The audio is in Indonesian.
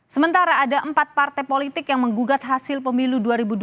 sementara ada empat partai politik yang menggugat hasil pemilu dua ribu dua puluh